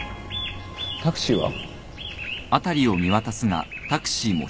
タクシーは？